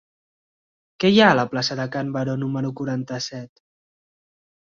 Què hi ha a la plaça de Can Baró número quaranta-set?